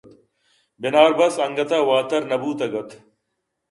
بناربس انگتءَ واتر نہ بوتگ اَت